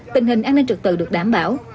tình hình an ninh trực tự được đảm bảo